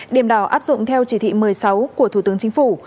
điểm đảo áp dụng theo chỉ thị một mươi sáu của thủ tướng chính phủ